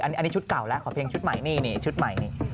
อันนี้ชุดเก่าแล้วขอเพลงชุดใหม่นี่ชุดใหม่นี่